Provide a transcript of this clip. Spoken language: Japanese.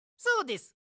そうです。